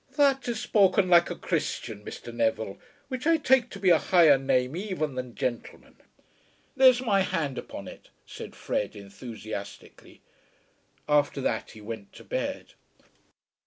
"That is spoken like a Christian, Mr. Neville, which I take to be a higher name even than gentleman." "There's my hand upon it," said Fred, enthusiastically. After that he went to bed.